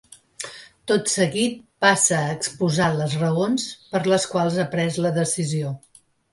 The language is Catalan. Tot seguit passa a exposar les raons per les quals ha pres la decisió.